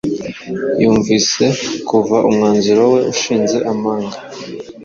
Yumvise kuva umwanzuro we ushize amanga